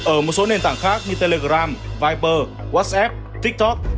ở một số nền tảng khác như telegram viper whatsapp tiktok